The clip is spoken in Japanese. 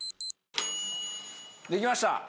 できました。